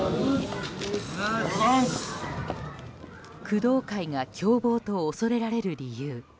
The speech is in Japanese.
工藤会が凶暴と恐れられる理由。